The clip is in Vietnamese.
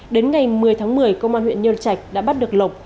đến ngày một mươi tháng một mươi công an huyện nhân trạch đã bắt được lộc